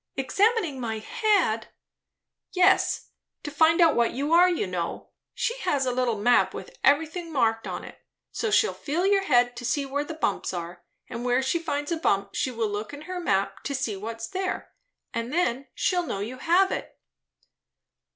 "Examining my head!" "Yes, to find out what you are, you know. She has a little map, with everything marked on it? so she'll feel your head to see where the bumps are, and where she finds a bump she will look in her map to see what's there, and then she'll know you have it."